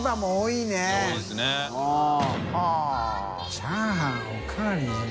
チャーハンおかわり自由」